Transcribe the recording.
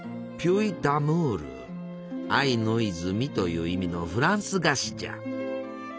「愛の泉」という意味のフランス菓子じゃ。